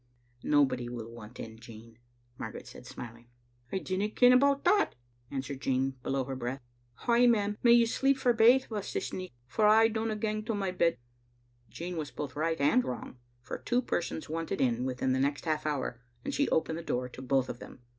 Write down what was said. * Nobody will want in, Jean," Margaret said, smiling. "I dinna ken about that," answered Jean below hev breath. "Ay, ma'am, may you sleep for baith o' us this nicht, for I dauma gang to my bed. " Jean was both right and wrong, for two persons wanted in within the next half hour, and she opened the door to both of them.